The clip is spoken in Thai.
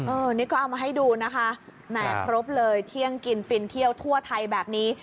อันนี้ก็เอามาให้ดูนะคะแหมครบเลยเที่ยงกินฟินเที่ยวทั่วไทยแบบนี้